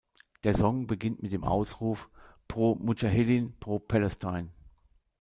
Der Song beginnt mit dem Ausruf „Pro Mudschaheddin, pro Palestine“.